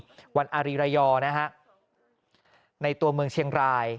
ลูกไปร่วมละหมาดในวันอีดวันอริรายอร์ในตัวเมืองเชียงราย